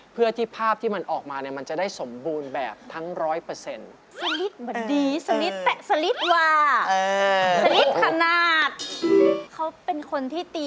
เพื่อที่ภาพที่มันออกมาเนี่ยมันจะได้สมบูรณ์แบบทั้งร้อยเปอร์เซ็นต์